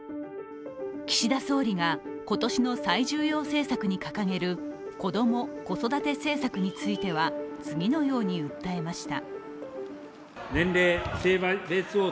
岸田総理が今年の最重要政策に掲げる子ども・子育て政策については次のように訴えました。